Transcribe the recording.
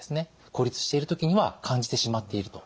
孤立している時には感じてしまっていると。